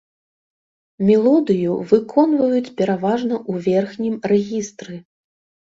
Мелодыю выконваюць пераважна ў верхнім рэгістры.